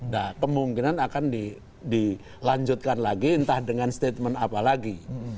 nah kemungkinan akan dilanjutkan lagi entah dengan statement apa lagi